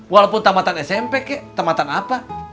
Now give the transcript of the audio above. walaupun tempatan smp kek tempatan apa